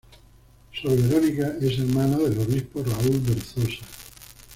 Sor Verónica es hermana del obispo Raúl Berzosa.